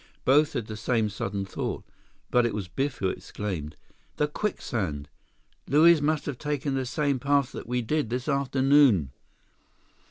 Both had the same sudden thought, but it was Biff who exclaimed, "The quicksand! Luiz must have taken the same path that we did this afternoon!"